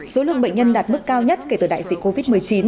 số lượng bệnh nhân đạt mức cao nhất kể từ đại dịch covid một mươi chín